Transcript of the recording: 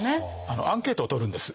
アンケートをとるんです。